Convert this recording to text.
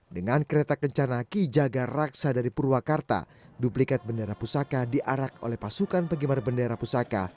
dengan kereta kencana ki jaga raksa dari purwakarta duplikat bendera pusaka diarak oleh pasukan penggemar bendera pusaka